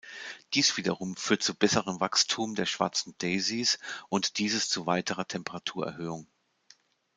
Dies wiederum führt zu besserem Wachstum der schwarzen Daisys und dieses zu weiterer Temperaturerhöhung.